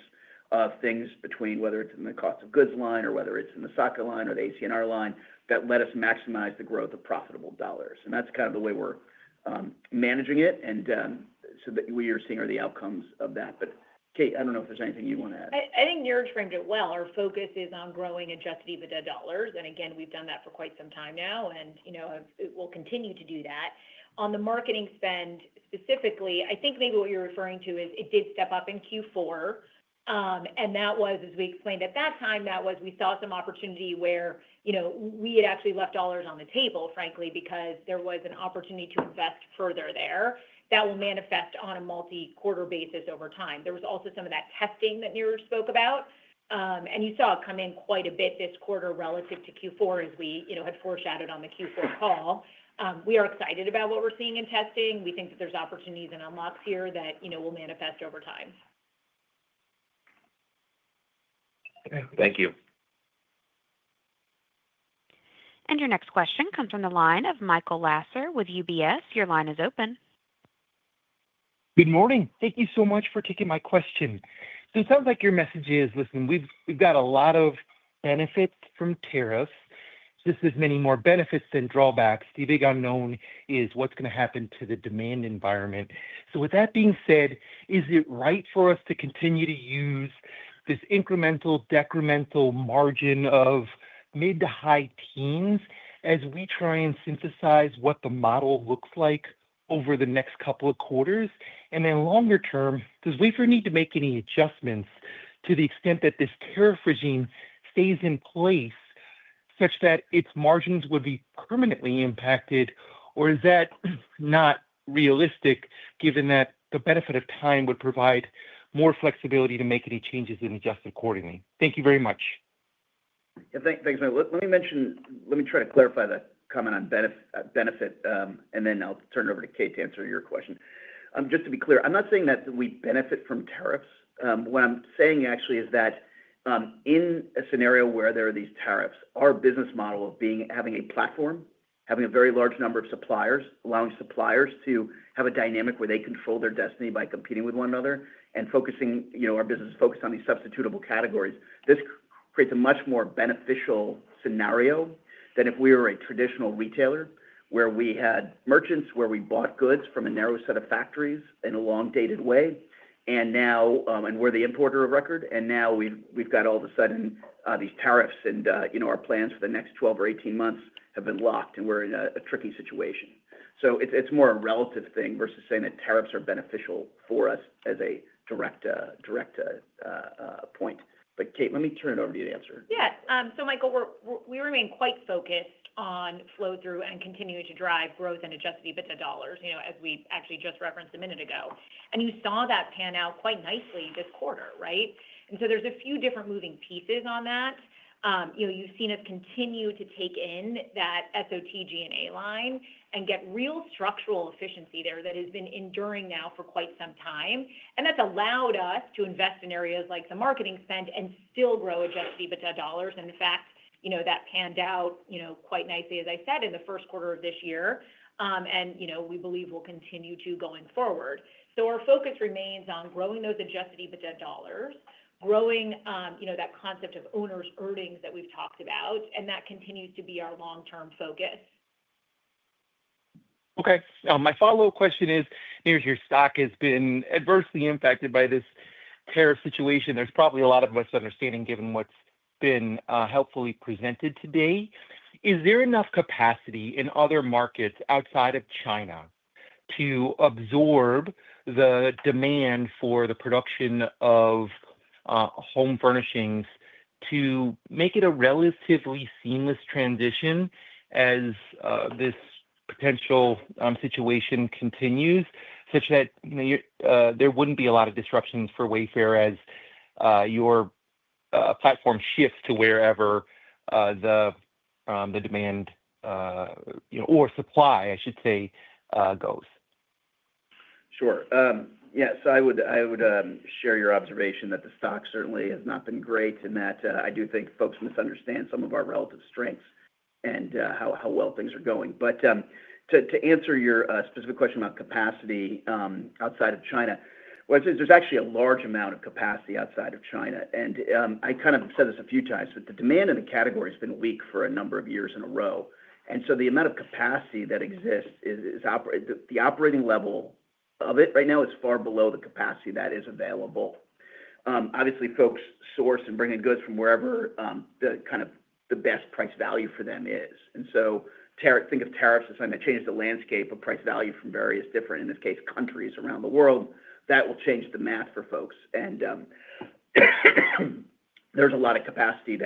of things between whether it's in the cost of goods line or whether it's in the SOT G&A line or the ACNR line that let us maximize the growth of profitable dollars. That's kind of the way we're managing it, and we are seeing the outcomes of that. Kate, I don't know if there's anything you want to add. I think Niraj framed it well. Our focus is on growing adjusted EBITDA dollars. Again, we've done that for quite some time now, and we'll continue to do that. On the marketing spend specifically, I think maybe what you're referring to is it did step up in Q4. That was, as we explained at that time, that was we saw some opportunity where we had actually left dollars on the table, frankly, because there was an opportunity to invest further there that will manifest on a multi-quarter basis over time. There was also some of that testing that Niraj spoke about. You saw it come in quite a bit this quarter relative to Q4 as we had foreshadowed on the Q4 call. We are excited about what we're seeing in testing. We think that there's opportunities and unlocks here that will manifest over time. Thank you. Your next question comes from the line of Michael Lasser with UBS. Your line is open. Good morning. Thank you so much for taking my question. It sounds like your message is, listen, we've got a lot of benefits from tariffs. Just as many more benefits than drawbacks. The big unknown is what's going to happen to the demand environment. With that being said, is it right for us to continue to use this incremental, decremental margin of mid to high teens as we try and synthesize what the model looks like over the next couple of quarters? Longer term, does Wayfair need to make any adjustments to the extent that this tariff regime stays in place such that its margins would be permanently impacted, or is that not realistic given that the benefit of time would provide more flexibility to make any changes and adjust accordingly? Thank you very much. Thanks. Let me try to clarify that comment on benefit, and then I'll turn it over to Kate to answer your question. Just to be clear, I'm not saying that we benefit from tariffs. What I'm saying actually is that in a scenario where there are these tariffs, our business model of having a platform, having a very large number of suppliers, allowing suppliers to have a dynamic where they control their destiny by competing with one another and focusing our business focused on these substitutable categories, this creates a much more beneficial scenario than if we were a traditional retailer where we had merchants where we bought goods from a narrow set of factories in a long-dated way and were the importer of record. Now we've got all of a sudden these tariffs, and our plans for the next 12 or 18 months have been locked, and we're in a tricky situation. It is more a relative thing versus saying that tariffs are beneficial for us as a direct point. Kate, let me turn it over to you to answer. Yeah. Michael, we remain quite focused on flow-through and continuing to drive growth and adjusted EBITDA dollars as we actually just referenced a minute ago. You saw that pan out quite nicely this quarter, right? There are a few different moving pieces on that. You've seen us continue to take in that SOT G&A line and get real structural efficiency there that has been enduring now for quite some time. That's allowed us to invest in areas like the marketing spend and still grow adjusted EBITDA dollars. In fact, that panned out quite nicely, as I said, in the first quarter of this year, and we believe will continue to going forward. Our focus remains on growing those adjusted EBITDA dollars, growing that concept of owner's earnings that we've talked about, and that continues to be our long-term focus. Okay. My follow-up question is, Niraj, your stock has been adversely impacted by this tariff situation. There's probably a lot of misunderstanding given what's been helpfully presented today. Is there enough capacity in other markets outside of China to absorb the demand for the production of home furnishings to make it a relatively seamless transition as this potential situation continues such that there wouldn't be a lot of disruptions for Wayfair as your platform shifts to wherever the demand or supply, I should say, goes? Sure. Yeah. I would share your observation that the stock certainly has not been great in that I do think folks misunderstand some of our relative strengths and how well things are going. To answer your specific question about capacity outside of China, there's actually a large amount of capacity outside of China. I kind of said this a few times, but the demand in the category has been weak for a number of years in a row. The amount of capacity that exists, the operating level of it right now is far below the capacity that is available. Obviously, folks source and bring in goods from wherever kind of the best price value for them is. Think of tariffs as something that changes the landscape of price value from various different, in this case, countries around the world. That will change the math for folks. There is a lot of capacity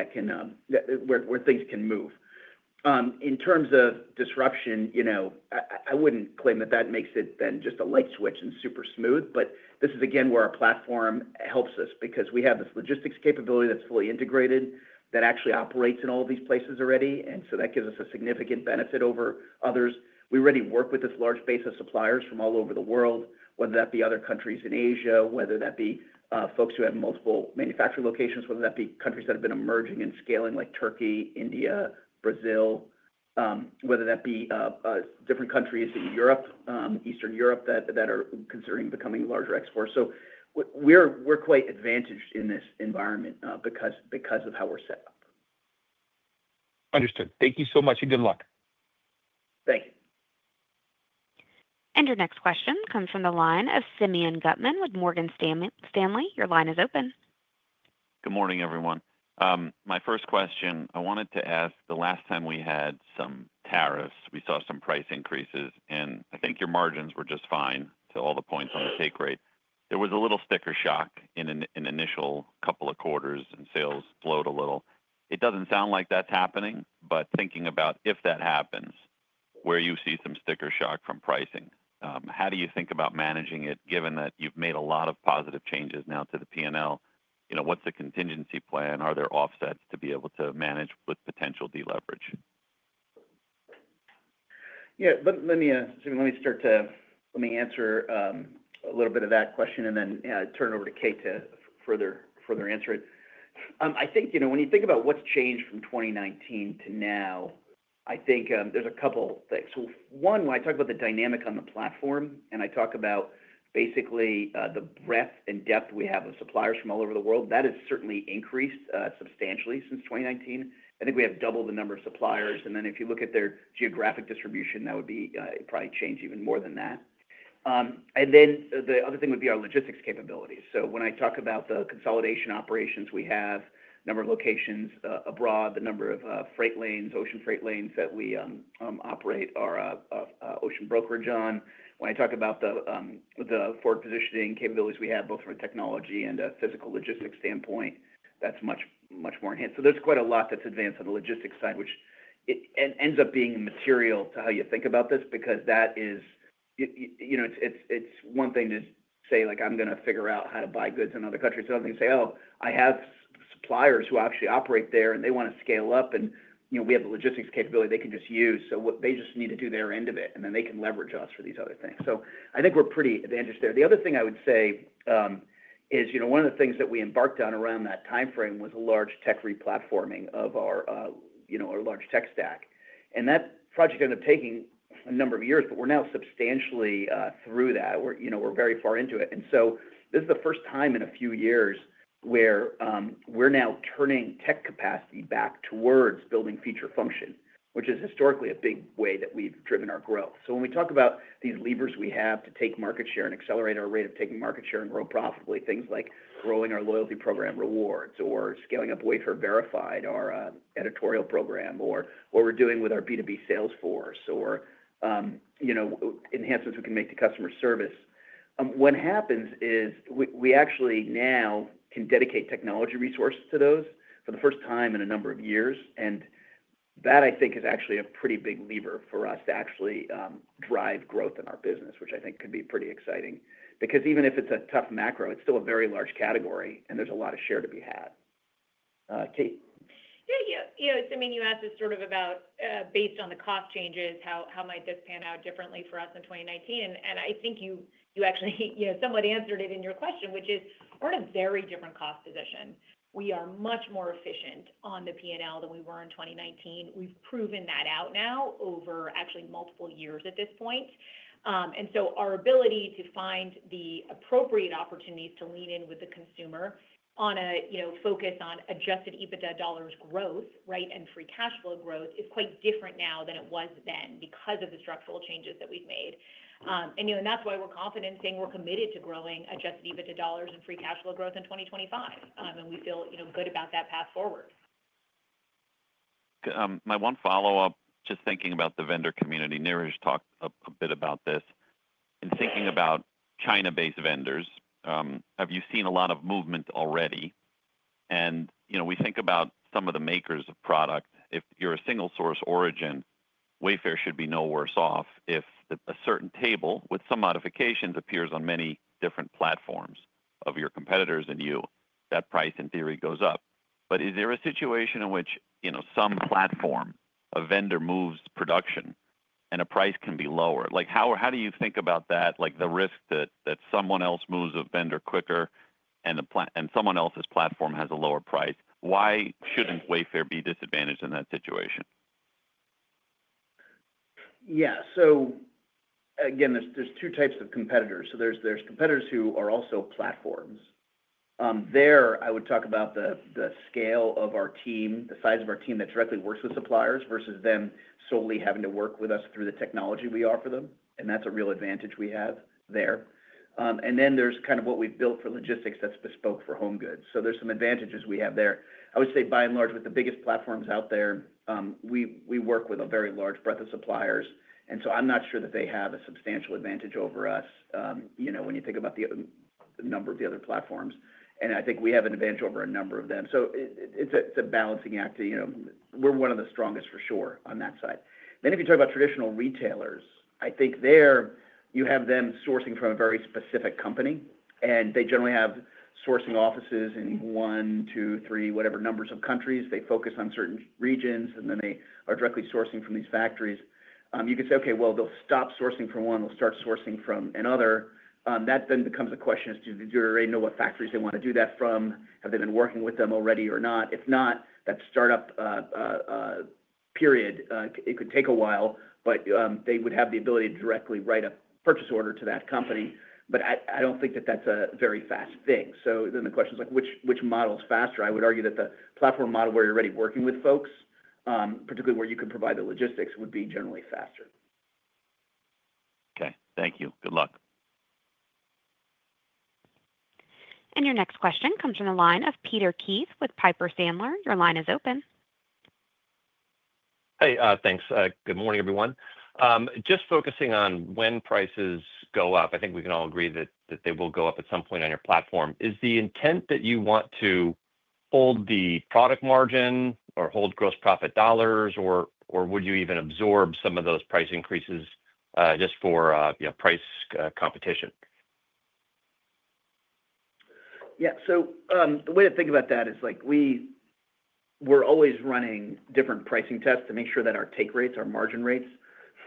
where things can move. In terms of disruption, I wouldn't claim that that makes it then just a light switch and super smooth, but this is again where our platform helps us because we have this logistics capability that's fully integrated that actually operates in all of these places already. That gives us a significant benefit over others. We already work with this large base of suppliers from all over the world, whether that be other countries in Asia, whether that be folks who have multiple manufacturing locations, whether that be countries that have been emerging and scaling like Turkey, India, Brazil, whether that be different countries in Europe, Eastern Europe that are considering becoming larger exports. We are quite advantaged in this environment because of how we're set up. Understood. Thank you so much and good luck. Thank you. Your next question comes from the line of Simeon Gutman with Morgan Stanley. Your line is open. Good morning, everyone. My first question, I wanted to ask, the last time we had some tariffs, we saw some price increases, and I think your margins were just fine to all the points on the take rate. There was a little sticker shock in an initial couple of quarters, and sales slowed a little. It does not sound like that is happening, but thinking about if that happens, where you see some sticker shock from pricing, how do you think about managing it given that you have made a lot of positive changes now to the P&L? What is the contingency plan? Are there offsets to be able to manage with potential deleverage? Yeah. Let me start to answer a little bit of that question and then turn it over to Kate to further answer it. I think when you think about what's changed from 2019 to now, I think there's a couple of things. One, when I talk about the dynamic on the platform and I talk about basically the breadth and depth we have of suppliers from all over the world, that has certainly increased substantially since 2019. I think we have doubled the number of suppliers. If you look at their geographic distribution, that would probably change even more than that. The other thing would be our logistics capabilities. When I talk about the consolidation operations we have, number of locations abroad, the number of freight lanes, ocean freight lanes that we operate our ocean brokerage on. When I talk about the forward positioning capabilities we have, both from a technology and a physical logistics standpoint, that is much more enhanced. There is quite a lot that is advanced on the logistics side, which ends up being material to how you think about this because it is one thing to say, "I'm going to figure out how to buy goods in other countries." I am going to say, "Oh, I have suppliers who actually operate there, and they want to scale up, and we have a logistics capability they can just use." They just need to do their end of it, and then they can leverage us for these other things. I think we are pretty advantaged there. The other thing I would say is one of the things that we embarked on around that timeframe was a large tech replatforming of our large tech stack. That project ended up taking a number of years, but we're now substantially through that. We're very far into it. This is the first time in a few years where we're now turning tech capacity back towards building feature function, which is historically a big way that we've driven our growth. When we talk about these levers we have to take market share and accelerate our rate of taking market share and grow profitably, things like growing our loyalty program rewards or scaling up Wayfair Verified, our editorial program, or what we're doing with our B2B salesforce or enhancements we can make to customer service, what happens is we actually now can dedicate technology resources to those for the first time in a number of years. That, I think, is actually a pretty big lever for us to actually drive growth in our business, which I think could be pretty exciting because even if it's a tough macro, it's still a very large category, and there's a lot of share to be had. Kate. Yeah. Simeon, you asked this sort of about based on the cost changes, how might this pan out differently for us in 2019? I think you actually somewhat answered it in your question, which is we're in a very different cost position. We are much more efficient on the P&L than we were in 2019. We've proven that out now over actually multiple years at this point. Our ability to find the appropriate opportunities to lean in with the consumer on a focus on adjusted EBITDA dollars growth, right, and free cash flow growth is quite different now than it was then because of the structural changes that we've made. That is why we're confident in saying we're committed to growing adjusted EBITDA dollars and free cash flow growth in 2025. We feel good about that path forward. My one follow-up, just thinking about the vendor community, Niraj talked a bit about this. In thinking about China-based vendors, have you seen a lot of movement already? We think about some of the makers of product. If you're a single source origin, Wayfair should be no worse off if a certain table with some modifications appears on many different platforms of your competitors and you, that price, in theory, goes up. Is there a situation in which some platform, a vendor moves production, and a price can be lower? How do you think about that, the risk that someone else moves a vendor quicker and someone else's platform has a lower price? Why shouldn't Wayfair be disadvantaged in that situation? Yeah. Again, there are two types of competitors. There are competitors who are also platforms. There, I would talk about the scale of our team, the size of our team that directly works with suppliers versus them solely having to work with us through the technology we offer them. That is a real advantage we have there. Then there is kind of what we have built for logistics that is bespoke for home goods. There are some advantages we have there. I would say, by and large, with the biggest platforms out there, we work with a very large breadth of suppliers. I'm not sure that they have a substantial advantage over us when you think about the number of the other platforms. I think we have an advantage over a number of them. It's a balancing act. We're one of the strongest for sure on that side. If you talk about traditional retailers, I think there you have them sourcing from a very specific company. They generally have sourcing offices in one, two, three, whatever numbers of countries. They focus on certain regions, and then they are directly sourcing from these factories. You could say, "Okay, they'll stop sourcing from one and they'll start sourcing from another." That then becomes a question as to, "Do they already know what factories they want to do that from? Have they been working with them already or not? If not, that startup period, it could take a while, but they would have the ability to directly write a purchase order to that company. I do not think that that is a very fast thing. The question is, which model is faster? I would argue that the platform model where you are already working with folks, particularly where you can provide the logistics, would be generally faster. Okay. Thank you. Good luck. Your next question comes from the line of Peter Keith with Piper Sandler. Your line is open. Hey. Thanks. Good morning, everyone. Just focusing on when prices go up, I think we can all agree that they will go up at some point on your platform. Is the intent that you want to hold the product margin or hold gross profit dollars, or would you even absorb some of those price increases just for price competition? Yeah. The way to think about that is we're always running different pricing tests to make sure that our take rates, our margin rates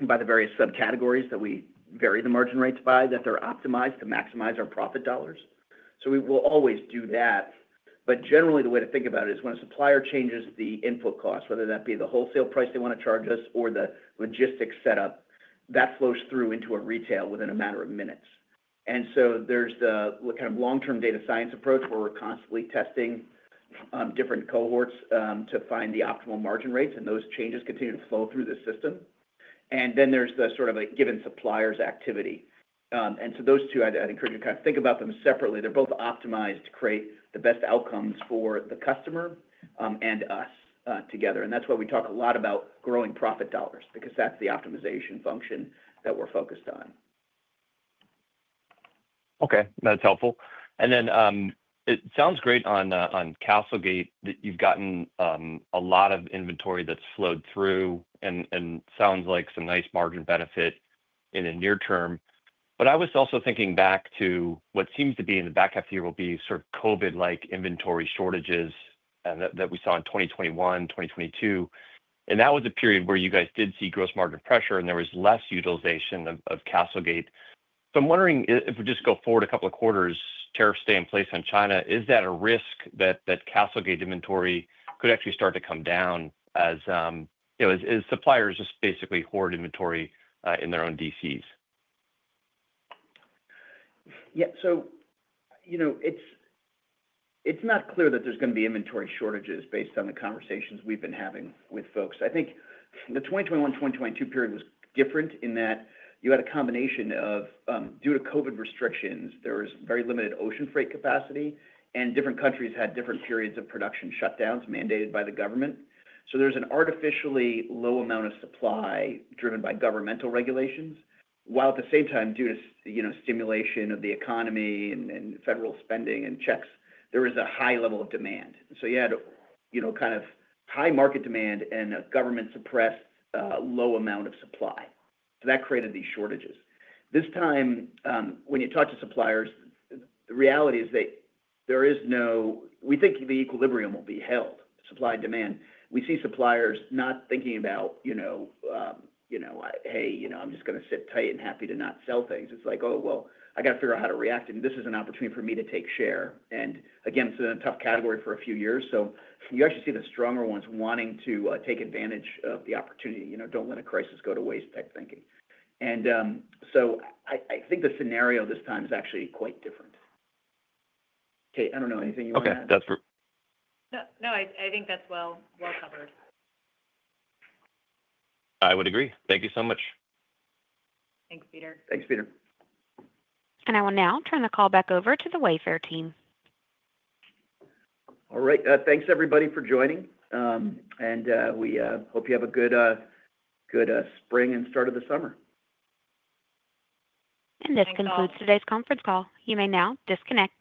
by the various subcategories that we vary the margin rates by, that they're optimized to maximize our profit dollars. We will always do that. Generally, the way to think about it is when a supplier changes the input cost, whether that be the wholesale price they want to charge us or the logistics setup, that flows through into a retail within a matter of minutes. There is the kind of long-term data science approach where we're constantly testing different cohorts to find the optimal margin rates, and those changes continue to flow through the system. There is the sort of given suppliers activity. I would encourage you to kind of think about them separately. They're both optimized to create the best outcomes for the customer and us together. That is why we talk a lot about growing profit dollars because that is the optimization function that we're focused on. Okay. That's helpful. It sounds great on CastleGate that you've gotten a lot of inventory that's flowed through and sounds like some nice margin benefit in the near term. I was also thinking back to what seems to be in the back half of the year will be sort of COVID-like inventory shortages that we saw in 2021, 2022. That was a period where you guys did see gross margin pressure, and there was less utilization of CastleGate. I'm wondering if we just go forward a couple of quarters, tariffs stay in place on China, is that a risk that CastleGate inventory could actually start to come down as suppliers just basically hoard inventory in their own DCs? Yeah. It's not clear that there's going to be inventory shortages based on the conversations we've been having with folks. I think the 2021, 2022 period was different in that you had a combination of, due to COVID restrictions, there was very limited ocean freight capacity, and different countries had different periods of production shutdowns mandated by the government. There's an artificially low amount of supply driven by governmental regulations. While at the same time, due to stimulation of the economy and federal spending and checks, there was a high level of demand. You had kind of high market demand and a government-suppressed low amount of supply. That created these shortages. This time, when you talk to suppliers, the reality is that there is no—we think the equilibrium will be held, supply-demand. We see suppliers not thinking about, "Hey, I'm just going to sit tight and happy to not sell things." It's like, "Oh, I got to figure out how to react. This is an opportunity for me to take share." Again, it's been a tough category for a few years. You actually see the stronger ones wanting to take advantage of the opportunity. Don't let a crisis go to waste type thinking. I think the scenario this time is actually quite different. Kate, I do not know. Anything you want to add? No, I think that is well covered. I would agree. Thank you so much. Thanks, Peter. Thanks, Peter. I will now turn the call back over to the Wayfair team. All right. Thanks, everybody, for joining. We hope you have a good spring and start of the summer. This concludes today's conference call. You may now disconnect.